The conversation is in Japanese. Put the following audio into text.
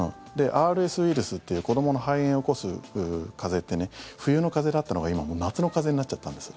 ＲＳウイルスっていう子どもの肺炎を起こす風邪って冬の風邪だったのが、今夏の風邪になっちゃったんです。